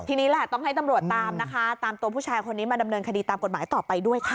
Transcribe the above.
ทีนี้แหละต้องให้ตำรวจตามนะคะตามตัวผู้ชายคนนี้มาดำเนินคดีตามกฎหมายต่อไปด้วยค่ะ